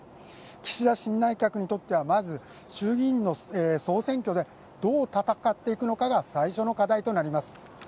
岸田新内閣にとってはまず、衆議院の総選挙でどう戦っていくのかが最初の課題となります。